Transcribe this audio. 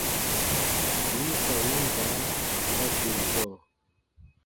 Bii ka win baa ba gberu dɔɔ.